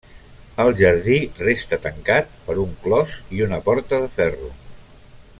El jardí resta tancat per un clos i una porta de ferro.